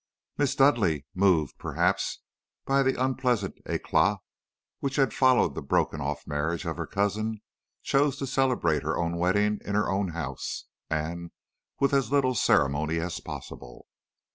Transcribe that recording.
"Miss Dudleigh, moved, perhaps, by the unpleasant eclat which had followed the broken off marriage of her cousin, chose to celebrate her own wedding in her own house, and with as little ceremony as possible.